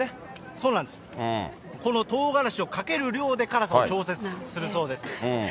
そうなんです、このとうがらしをかける量で辛さを調節するそうです。